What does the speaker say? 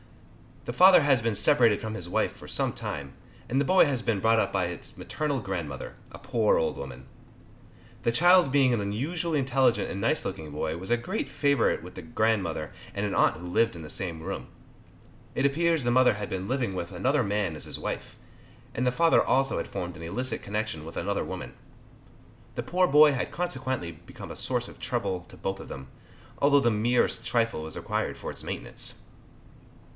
The father has been separated from his wife for some time, and the boy had been brought up by its maternal grandmother, a poor old woman. The child being an unusally intelligent and nice looking boy was a great favourite with the grandmother and an aunt who lived in the same room. It appears the mother had been living with another man as his wife, and the father also had formed an illicit connection with another woman. The poor boy had consequently become a source of trouble to both of them, although the merest trifle was required for its maintenance.